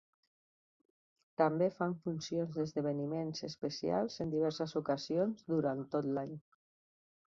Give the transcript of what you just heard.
També fan funcions d'esdeveniments especials en diverses ocasions durant tot l'any.